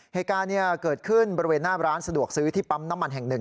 เหตุการณ์เกิดขึ้นบริเวณหน้าร้านสะดวกซื้อที่ปั๊มน้ำมันแห่งหนึ่ง